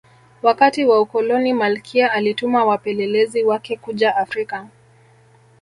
wakati wa ukoloni malkia alituma wapelelezi wake kuja afrika